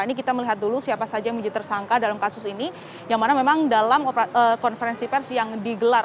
ini kita melihat dulu siapa saja yang menjadi tersangka dalam kasus ini yang mana memang dalam konferensi pers yang digelar